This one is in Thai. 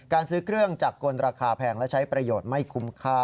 ซื้อเครื่องจากกลราคาแพงและใช้ประโยชน์ไม่คุ้มค่า